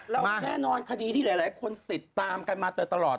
แล้วแน่นอนคดีที่หลายคนติดตามกันมาแต่ตลอด